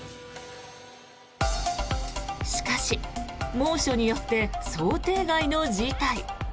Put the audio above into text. しかし、猛暑によって想定外の事態。